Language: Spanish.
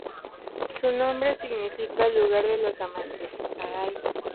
Su nombre significa "lugar de los amates".